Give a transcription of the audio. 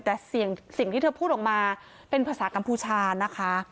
แต่สิ่งที่เธอพูดออกมาเป็นภาษากัมพูชานะคะ